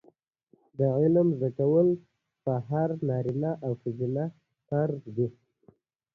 ګاز د افغانستان د بشري فرهنګ برخه ده.